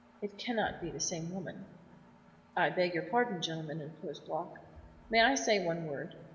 It cannot be the same woman." "I beg your pardon, gentlemen," interposed Block. "May I say one word?